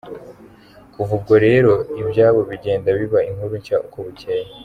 Kuva ubwo rero ibyabo bigenda biba inkuru nshya uko bucyeye.